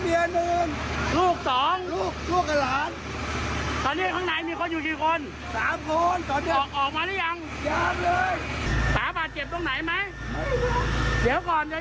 มีลูก๒เมีย๑